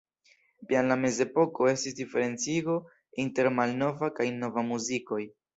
Jam en la mezepoko estis diferencigo inter malnova kaj nova muzikoj.